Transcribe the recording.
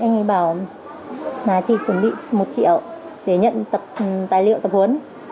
anh ấy bảo là chị chuẩn bị một triệu để nhận tài liệu tập huấn